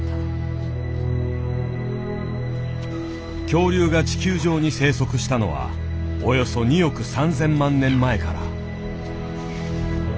恐竜が地球上に生息したのはおよそ２億３，０００万年前から。